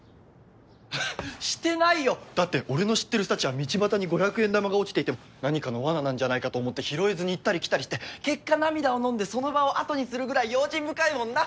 だって俺の知ってるサチは道端に５００円玉が落ちていても何かのわななんじゃないかと思って拾えずに行ったり来たりして結果涙をのんでその場を後にするぐらい用心深いもんな？